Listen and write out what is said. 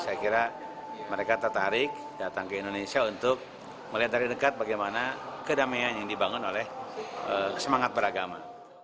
saya kira mereka tertarik datang ke indonesia untuk melihat dari dekat bagaimana kedamaian yang dibangun oleh semangat beragama